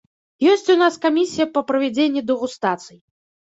Ёсць у нас камісія па правядзенні дэгустацый.